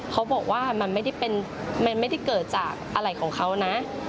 เขาบอกว่ามันไม่ได้เกิดจากอะไรของเขานะ